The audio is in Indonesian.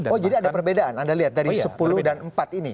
oh jadi ada perbedaan anda lihat dari sepuluh dan empat ini